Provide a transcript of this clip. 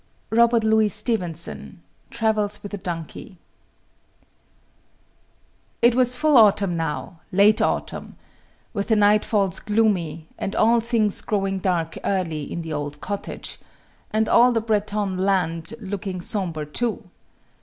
ROBERT LOUIS STEVENSON, Travels with a Donkey. It was full autumn now, late autumn with the nightfalls gloomy, and all things growing dark early in the old cottage, and all the Breton land looking sombre, too.